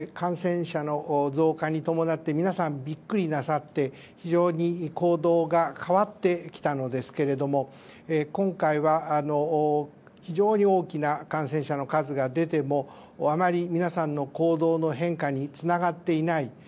それから、例えば第３波暮れから正月にかけての様子ですと感染者の増加に伴って皆さん、ビックリなさって非常に行動が変わってきたのですけれども今回は非常に大きな感染者の数が出てもあまり皆さんの行動の変化につながっていない。